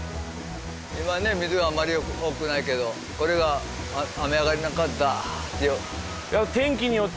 今ね水があんまり多くないけどこれが雨上がりなんかはダーッて。